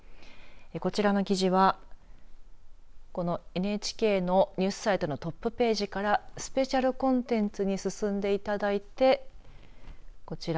こちらの記事はこのＮＨＫのニュースサイトのトップページからスペシャルコンテンツに進んでいただいてこちら。